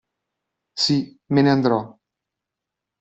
Sì, me ne andrò.